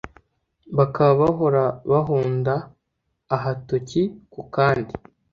bakaba bahora bahonda ahatoki ku kandi